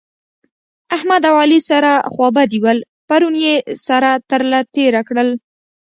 احمد او علي سره خوابدي ول؛ پرون يې سره تر له تېر کړل